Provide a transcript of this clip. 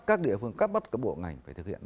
các địa phương các bộ ngành phải thực hiện